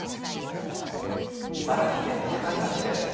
茨城県境町です。